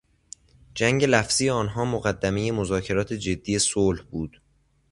جنگ لفظی آنها مقدمهی مذاکرات جدی صلح بود.